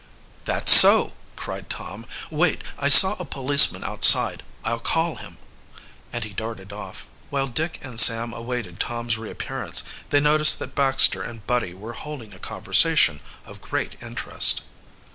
"That's so!" cried Tom. "Wait, I saw a policeman outside. I'll call him," and he darted off. While Dick and Sam awaited Tom's reappearance, they noticed that Baxter and Buddy were holding a conversation of great interest.